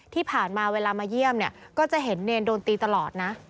ที่ผ่านมาเวลามาเยี่ยมเนี่ยก็จะเห็นเนรโดนตีตลอดนะ